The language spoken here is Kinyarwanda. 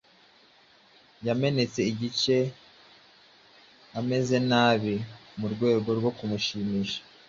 yamenetse igice ameze nabi Mu rwego rwo kumushimisha